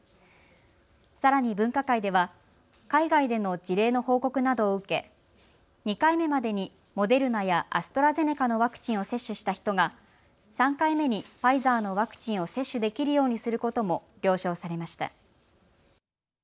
さらに分科会では海外での事例の報告などを受け２回目までにモデルナやアストラゼネカのワクチンを接種した人が３回目にファイザーのワクチンを接種できるようにすることも了承されました。